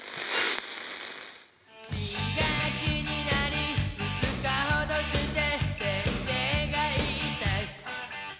「新学期になり２日ほどして先生が言った」